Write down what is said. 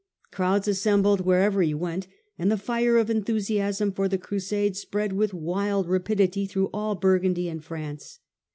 Crowds assembled wherever he went, and the fire of enthusiasm for the crusade spread with wild rapidity through all Burgundy and France.